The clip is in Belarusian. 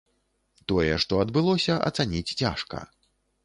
Тое, што адбылося, ацаніць цяжка.